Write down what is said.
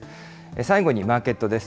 最後にマーケットです。